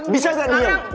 bisa gak diam